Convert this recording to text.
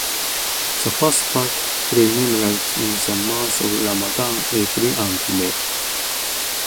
The first part premiered in the month of Ramadan (April and May).